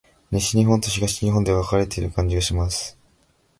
西日本と東日本で分かれている感じがします。